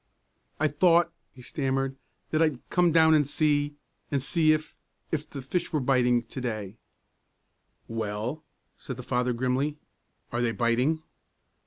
"I thought," he stammered, "that I'd come down and see and see if if the fish was biting to day " "Well," said his father, grimly, "are they biting?"